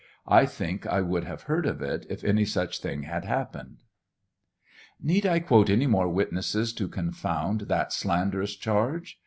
»* I think I would have heard of it if any such thing had happened. Need I quote any more witnesses to confound that slanderous charge